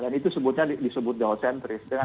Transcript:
dan itu disebutnya jawa centris